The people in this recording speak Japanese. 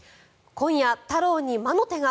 今夜、太郎に魔の手が！